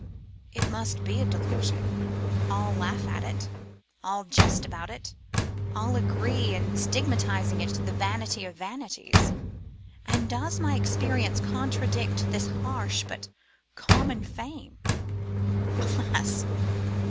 It must be a delusion. All laugh at it, all jest about it, all agree in stigmatising it the vanity of vanities. And does my experience contradict this harsh but common fame? Alas!